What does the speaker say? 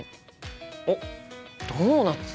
おっドーナツだ！